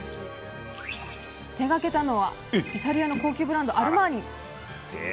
手がけたのはイタリアの高級ブランド、アルマーニ。